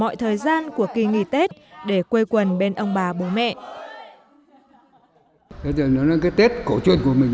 mọi thời gian của kỳ nghỉ tết để quê quần bên ông bà bố mẹ